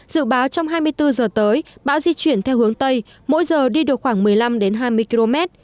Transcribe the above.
dự báo trong hai mươi bốn giờ tới bão di chuyển theo hướng tây mỗi giờ đi được khoảng một mươi năm hai mươi km